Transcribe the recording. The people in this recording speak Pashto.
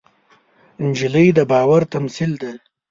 نجلۍ د باور تمثیل ده.